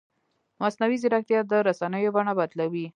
مصنوعي ځیرکتیا د رسنیو بڼه بدلوي.